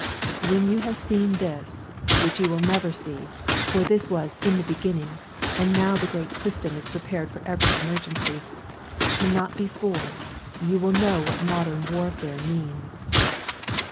"When you have seen this which you never can see, for this was 'In the beginning,' and now the great System is prepared for every emergency and not before, will you know what modern warfare means."